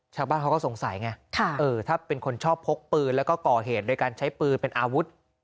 ชาวบ้านเขาก็สงสัยไงถ้าเป็นคนชอบพกปืนแล้วก็ก่อเหตุโดยการใช้ปืนเป็นอาวุธ